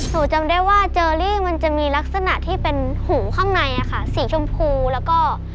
จำได้ว่าเจออรี่มันจะมีลักษณะที่เป็นหูข้างในอะค่ะสีชมพูแล้วก็